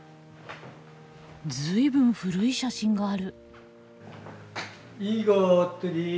随分古い写真がある。